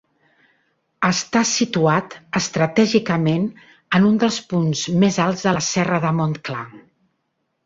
Està situat estratègicament en un dels punts més alts de la serra de Montclar.